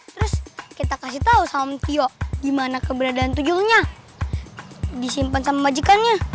terus kita kasih tahu sama tio gimana keberadaan tujuhnya disimpan sama majikannya